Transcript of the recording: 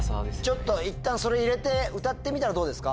ちょっといったんそれ入れて歌ってみたらどうですか？